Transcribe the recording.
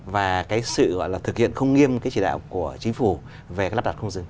và cái sự gọi là thực hiện không nghiêm cái chỉ đạo của chính phủ về cái lắp đặt không dừng